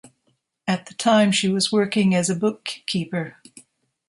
At the time she was working as a bookkeeper.